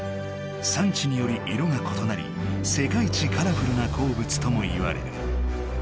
産地により色がことなり世界一カラフルな鉱物ともいわれる。